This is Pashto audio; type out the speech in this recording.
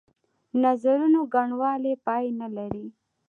نظرونو ګڼوالی پای نه لري.